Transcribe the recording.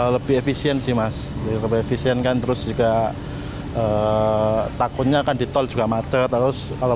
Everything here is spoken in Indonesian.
lebih efisien sih mas lebih efisien kan terus juga takutnya kan di tol juga macet terus kalau